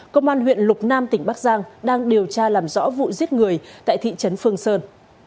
công an huyện lục nam tỉnh bắc giang đang điều tra làm rõ vụ giết người tại thị trấn phương sơn